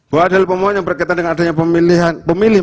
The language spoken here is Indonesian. bahwa adalah pemohon yang berkaitan dengan adanya pemilih